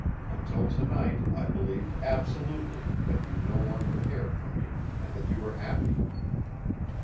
Until to night I believed absolutely that you no longer cared for me and that you were happy.